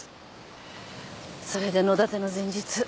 それで野だての前日